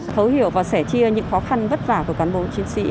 thấu hiểu và sẻ chia những khó khăn vất vả của cán bộ chiến sĩ